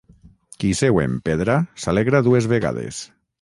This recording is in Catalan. Qui seu en pedra s'alegra dues vegades.